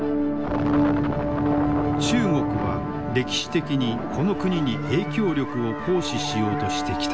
中国は歴史的にこの国に影響力を行使しようとしてきた。